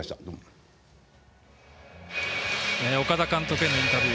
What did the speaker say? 岡田監督へのインタビュー